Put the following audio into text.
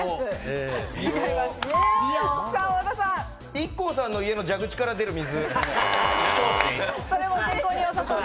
ＩＫＫＯさんの家の蛇口から出る水。